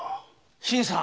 新さん！